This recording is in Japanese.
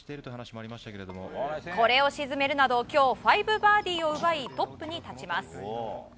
これを沈めるなど、今日５バーディーを奪いトップに立ちます。